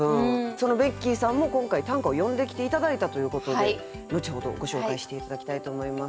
そのベッキーさんも今回短歌を詠んできて頂いたということで後ほどご紹介して頂きたいと思います。